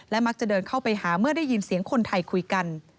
มักจะเดินเข้าไปหาเมื่อได้ยินเสียงคนไทยคุยกัน